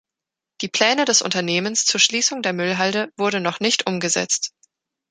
Die Pläne des Unternehmens zur Schließung der Müllhalde wurde noch nicht umgesetzt.